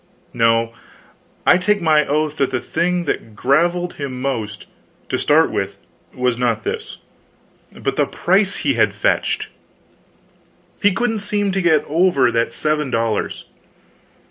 No, I take my oath that the thing that graveled him most, to start with, was not this, but the price he had fetched! He couldn't seem to get over that seven dollars.